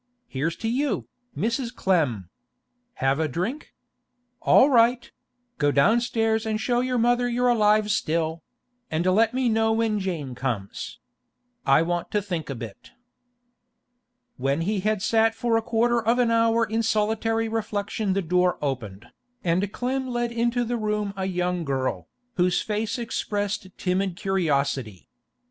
Here's to you, Mrs. Clem! Have a drink? All right; go downstairs and show your mother you're alive still; and let me know when Jane comes. I want to think a bit.' When he had sat for a quarter of an hour in solitary reflection the door opened, and Clem led into the room a young girl, whose face expressed timid curiosity.